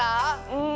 うん。